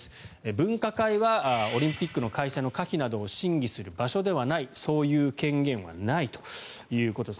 分科会はオリンピックの開催の可否などを審議する場所ではないそういう権限はないということです。